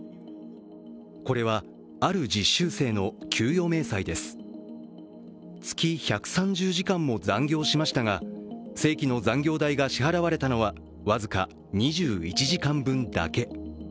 これは、ある実習生の給与明細です月１３０時間も残業しましたが、正規の残業代が支払われたのは僅か２１時間分だけ。